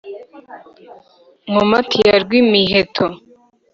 nkomati ya rwimiheto,